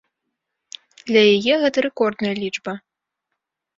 Для яе гэта рэкордная лічба.